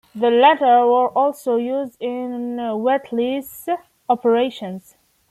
The latter were also used in wet-lease operations.